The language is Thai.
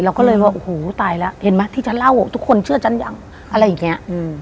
ก็เลยว่าโอ้โหตายแล้วเห็นไหมที่ฉันเล่าทุกคนเชื่อฉันยังอะไรอย่างนี้